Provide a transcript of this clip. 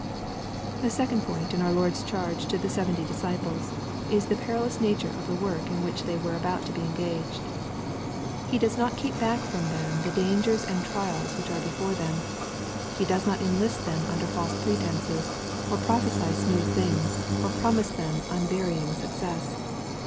The second point in our Lord's charge to the seventy disciples^ is the perilous nature of the work in which they taere (zbout to be engaged^ He does not keep back from them the dangers and trials which are before them. He does not enlist them under false pretences^ or prophesy gmooth things, or promise them unvarying success.